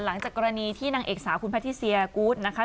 หลังจากกรณีที่นางเอกสาวคุณแพทิเซียกูธนะคะ